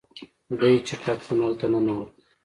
دی چټک تونل ته ننوت.